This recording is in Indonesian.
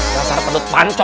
kasar penduduk pancol